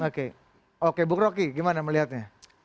oke oke bu rocky gimana melihatnya